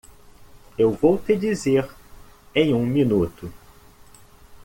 Eu vou te dizer em um minuto.